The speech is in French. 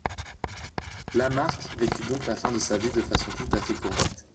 Lamarck vécut donc la fin de sa vie de façon tout à fait correcte.